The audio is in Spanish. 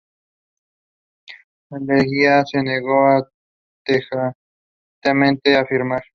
Leguía se negó tajantemente a firmar.